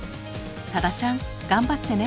多田ちゃん頑張ってね。